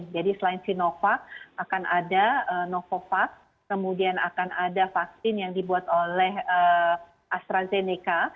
jadi selain sinovac akan ada novavax kemudian akan ada vaksin yang dibuat oleh astrazeneca